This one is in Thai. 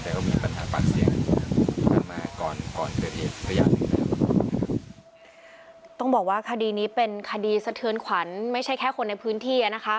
แต่ก็มีปัญหาฟักเสียงกล้ามาก่อนก่อนเกิดเหตุตัวอย่างต้องบอกว่าคดีนี้เป็นคดีสเติญขวัญไม่ใช่แค่คนในพื้นที่อ่ะนะคะ